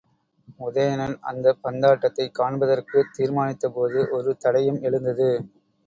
உதயணன் அந்தப் பந்தாட்டத்தைக் காண்பதற்குத் தீர்மானித்தபோது ஒரு தடையும் எழுந்தது.